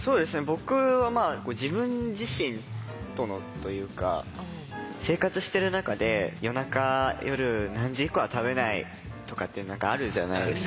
僕は自分自身とのというか生活してる中で夜中夜何時以降は食べないとかって何かあるじゃないですか。